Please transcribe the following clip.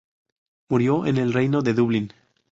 Murió en el reino de Dublín.